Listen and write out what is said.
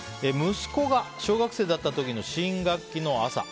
息子が小学生だった時の新学期の朝。